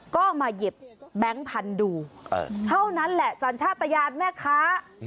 ก็มาหยิบแบงค์พันธุ์ดูเท่านั้นแหละสัญชาติยานแม่ค้า